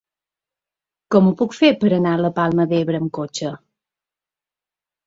Com ho puc fer per anar a la Palma d'Ebre amb cotxe?